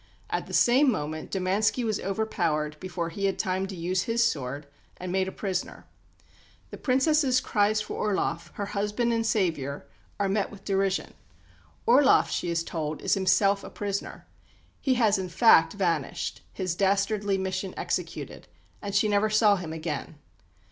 At the same moment Domanski was overpowered before he had time to use his sword, and made a prisoner. The Princess's cries for Orloff, her husband and saviour, are met with derision. Orloff she is told is himself a prisoner. He has, in fact, vanished, his dastardly mission executed; and she never saw him again.